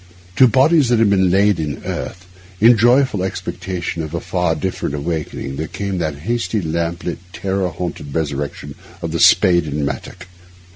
To bodies that had been laid in earth, in joyful expectation of a far different awakening, there came that hasty, lamp lit, terror haunted resurrection of the spade and mattock.